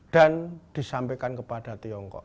dan disampaikan kepada tiongkok